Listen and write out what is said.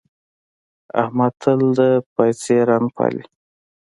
احمد تل د پايڅې رنګ پالي.